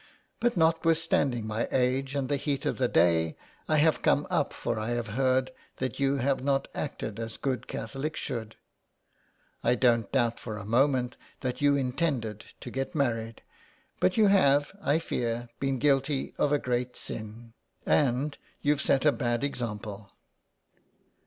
But notwithstanding my age, and the heat of the day, I have come up, for I have heard that you have not acted as good Catholics should. I don't doubt for a moment that you intended to get married, but you have, I fear, been guilty of a great sin, and you've set a bad example.'